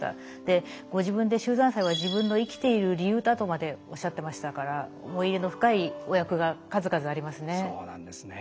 ご自分で「秀山祭は自分の生きている理由だ」とまでおっしゃってましたから思い入れの深いお役が数々ありますね。